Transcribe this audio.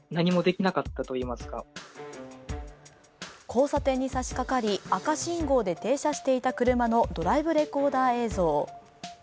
交差点に差しかかり赤信号で停車していた車のドライブレコーダー映像。